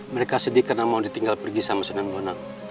mereka sedih karena mau ditinggal pergi sama sunan bonang